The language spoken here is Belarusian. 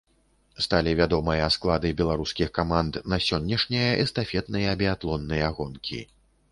Сталі вядомыя склады беларускіх каманд на сённяшнія эстафетныя біятлонныя гонкі.